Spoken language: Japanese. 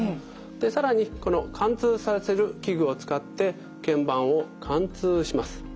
で更にこの貫通させる器具を使ってけん板を貫通します。